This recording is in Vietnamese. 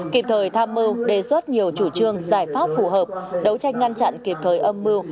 kịp thời tham mưu đề xuất nhiều chủ trương giải pháp phù hợp đấu tranh ngăn chặn kịp thời âm mưu